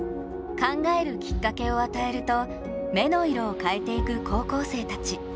考えるきっかけを与えると目の色を変えていく高校生たち。